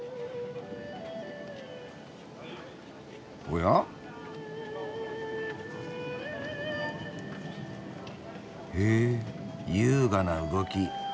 おや？へ優雅な動き。